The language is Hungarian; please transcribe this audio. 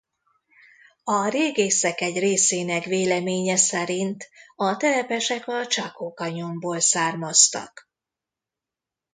A régészek egy részének véleménye szerint a telepesek a Chaco-kanyonból származtak.